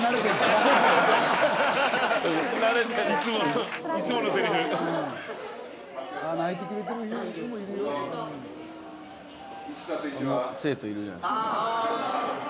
・あの生徒いるじゃないですか。